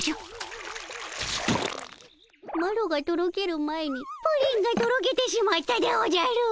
マロがとろける前にプリンがとろけてしまったでおじゃる！